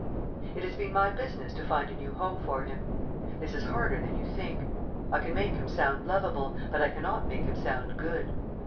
It has been my business to find a new home for him. This is harder than you think. I can make him sound lovable, but I cannot make him sound good.